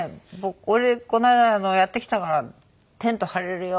「俺この間やってきたからテント張れるよ」